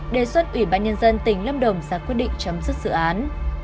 đề xuất ủy ban nhân dân tỉnh lâm đồng ra quyết định chấm dứt dự án